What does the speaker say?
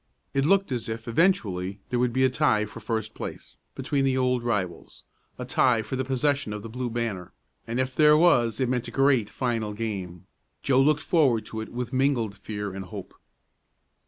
It looked as if eventually there would be a tie for first place between the old rivals a tie for the possession of the Blue Banner, and if there was it meant a great final game. Joe looked forward to it with mingled fear and hope.